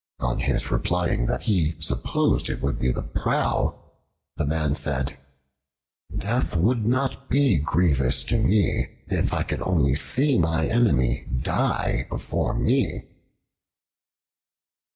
On his replying that he supposed it would be the prow, the Man said, "Death would not be grievous to me, if I could only see my Enemy die before me."